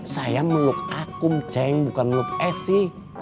saya meluk akum ceng bukan meluk esi